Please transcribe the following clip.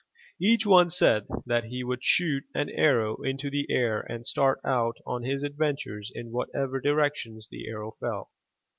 Each one said that he would shoot an arrow into the air and start out on his adventures in whatever direction the arrow fell.